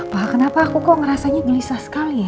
wah kenapa aku kok ngerasanya gelisah sekali ya